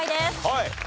はい。